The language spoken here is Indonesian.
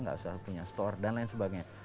nggak usah punya store dan lain sebagainya